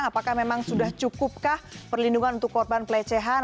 apakah memang sudah cukupkah perlindungan untuk korban pelecehan